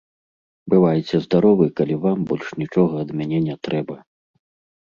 Бывайце здаровы, калі вам больш нічога ад мяне не трэба.